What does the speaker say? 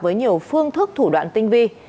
với nhiều phương thức thủ đoạn tinh vi